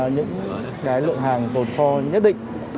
những lượng hàng tồn kho nhất định